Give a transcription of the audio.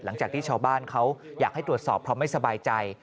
หลังจากที่ชาวบ้านเขาอยากให้ตรวจสอบเพราะไม่สบายใจ